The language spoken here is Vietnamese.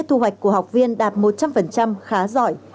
thu hoạch của học viên đạt một trăm linh khá giỏi